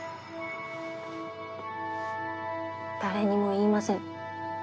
誰にも言いません。